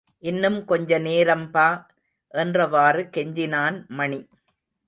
இன்னும் கொஞ்ச நேரம்பா என்றவாறு கெஞ்சினான் மணி.